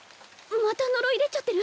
また呪い出ちゃってる？